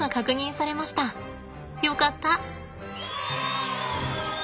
よかった。